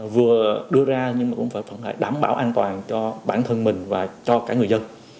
vừa đưa ra nhưng mà cũng phải đảm bảo an toàn cho bản thân mình và cho cả người dân